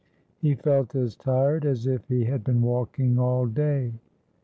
He felt as tired as if he had been walking all day.